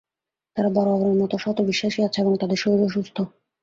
তারা বরাবরের মত সৎ ও বিশ্বাসী আছে এবং তাদের শরীরও সুস্থ।